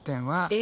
え？